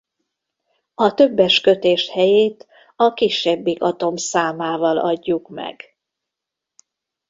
A többes kötés helyét a kisebbik atom számával adjuk meg.